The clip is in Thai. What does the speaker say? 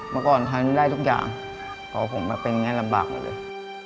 เมื่อก่อนทำได้ทุกอย่างพอผมมาเป็นอย่างนี้ลำบากหมดเลย